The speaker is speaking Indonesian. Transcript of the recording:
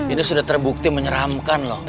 ini sudah terbukti menyeramkan loh